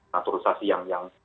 naturalisasi yang yang